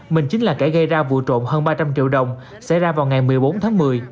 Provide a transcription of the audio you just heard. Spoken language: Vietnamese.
mình chính là kẻ gây ra vụ trộm hơn ba trăm linh triệu đồng xảy ra vào ngày một mươi bốn tháng một mươi